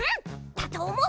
だとおもう。